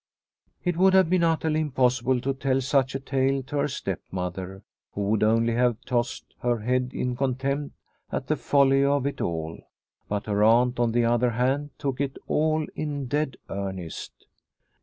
It would have been utterly impossible to tell such a tale to her stepmother, who would only have tossed her head in contempt at the folly of it all. But her aunt, on the other hand, took it all in dead earnest.